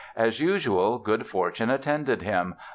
As usual, good fortune attended him.